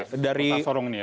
patahan sorong ini ya